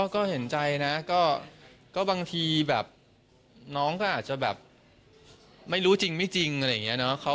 ก็เห็นใจนะก็บางทีแบบน้องก็อาจจะแบบไม่รู้จริงไม่จริงอะไรอย่างนี้เนอะ